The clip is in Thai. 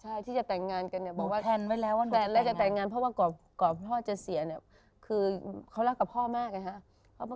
ใช่ที่จะแต่งงานกันเนี่ยบอกว่าแฟนแค่ไก่ในกว่าก่อพ่อจะเสียนี่คือเขารักกับพ่อมากนะฮะ